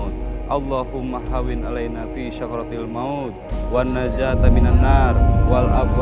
tapi juga kayak gimpu yang pingin dir tradisi ter ki manusia itu